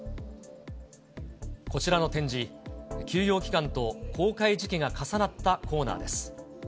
こちらの展示、休業期間と公開時期が重なったコーナーです。